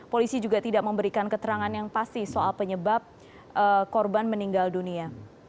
polisi juga tidak memberikan keterangan yang pasti soal penyebab korban meninggal dunia